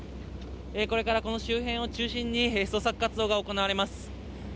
これからこの周辺を中心に、捜索活動が行われます。